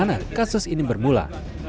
bagaimana kasus ini bermula